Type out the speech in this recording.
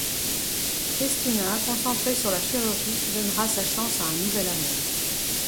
Cristina concentrée sur la chirurgie donnera sa chance à un nouvel amour.